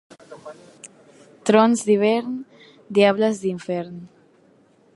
Trons d'hivern, diables d'infern.